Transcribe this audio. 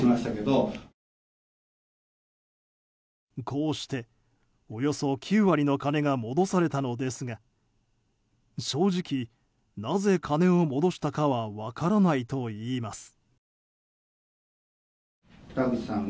こうしておよそ９割の金が戻されたのですが正直、なぜ金を戻したかは分からないといいます。